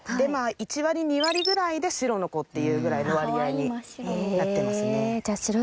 １割２割ぐらいで白の子っていうぐらいの割合になってますね。